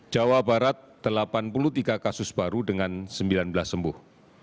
jawa barat delapan puluh tiga kasus baru dengan sembilan belas sembuh